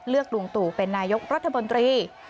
เลือกลูงตู่เป็นนายกรัฐบนตรี